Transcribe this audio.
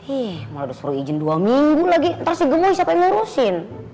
ih malah udah suruh izin dua minggu lagi ntar si gemoy siapa yang ngurusin